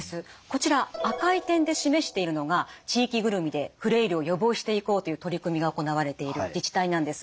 こちら赤い点で示しているのが地域ぐるみでフレイルを予防していこうという取り組みが行われている自治体なんです。